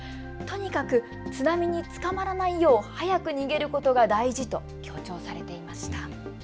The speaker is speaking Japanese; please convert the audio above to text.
とにかく津波に捕まらないよう早く逃げることが大事と強調されていました。